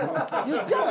言っちゃう？